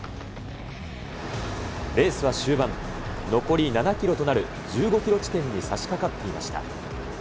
レースは終盤、残り７キロとなる１５キロ地点にさしかかっていました。